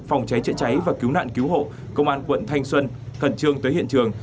phòng cháy chữa cháy và cứu nạn cứu hộ công an quận thanh xuân khẩn trương tới hiện trường